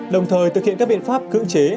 đồng thời thực hiện các biện pháp cương chế